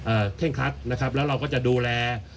เอ่อเค่้งคลัดนะครับและเราก็จะดูแล